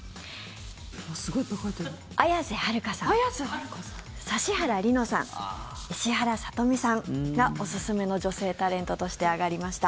綾瀬はるかさん、指原莉乃さん石原さとみさんがおすすめの女性タレントとして挙がりました。